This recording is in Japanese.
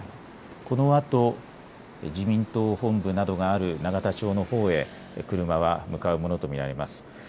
このあと自民党本部などがある永田町のほうへ車は向かうものと見られます。